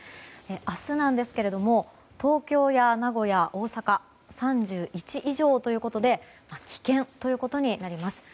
明日なんですけども東京や名古屋、大阪３１以上ということで危険ということになります。